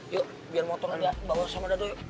yuk biar motor aja bawa sama dado yuk